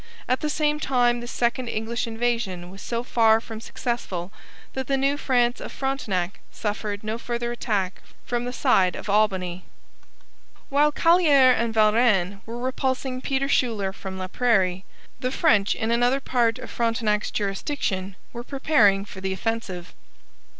At the same time, this second English invasion was so far from successful that the New France of Frontenac suffered no further attack from the side of Albany. While Callieres and Valrennes were repulsing Peter Schuyler from Laprairie, the French in another part of Frontenac's jurisdiction were preparing for the offensive.